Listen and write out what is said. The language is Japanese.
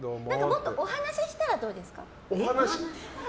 もっとお話ししたらどうですか？